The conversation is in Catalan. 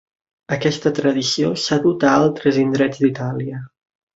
Aquesta tradició s'ha dut a altres indrets d'Itàlia.